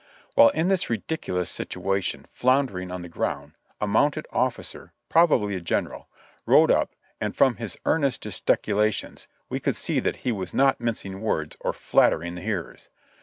While in this ridiculous situation, floundering on the ground, a mounted ofificer — probably a general — rode up, and from his earnest gesticulations we could see that he was not mincing words or flattering the hearers.